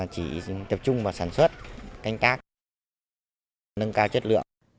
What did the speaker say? chỉ tập trung vào sản xuất canh tác nâng cao chất lượng